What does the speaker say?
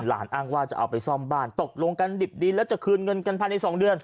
อ้างว่าจะเอาไปซ่อมบ้านตกลงกันดิบดีแล้วจะคืนเงินกันภายใน๒เดือน